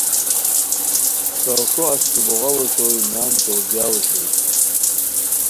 کاوݰو اچتوبوغاؤ اوشوئے نان تو دیاؤ اوشوئے